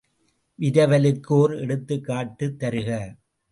விரவலுக்கு ஒர் எடுத்துக்காட்டு தருக.